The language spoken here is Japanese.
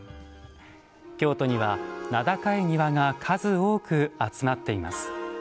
京都には、名高い庭が数多く集まっています。